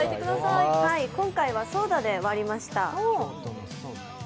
今回はソーダで割りました。